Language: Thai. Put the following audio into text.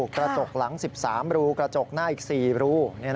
กระจกหลัง๑๓รูกระจกหน้าอีก๔รู